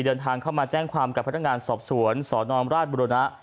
เดินทางเข้ามาแจ้งความกับพนักงานสอบสวนสนราชบุรณะ